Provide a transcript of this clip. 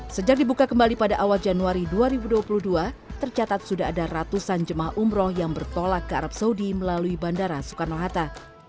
sejak dibuka kembali pada awal januari dua ribu dua puluh dua tercatat sudah ada ratusan jemaah umroh yang bertolak ke arab saudi melalui bandara soekarno hatta